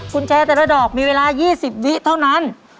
คุณแจแต่ละดอกมีเวลา๒๐วิเท่านั้น